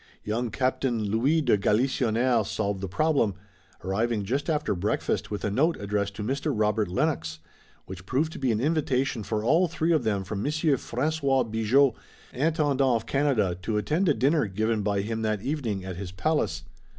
Young Captain Louis de Galisonnière solved the problem, arriving just after breakfast with a note addressed to Mr. Robert Lennox, which proved to be an invitation for all three of them from Monsieur François Bigot, Intendant of Canada, to attend a dinner given by him that evening at his palace.